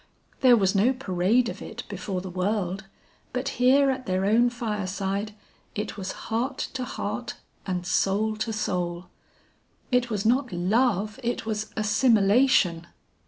'There was no parade of it before the world; but here at their own fireside, it was heart to heart and soul to soul. It was not love it was assimilation.'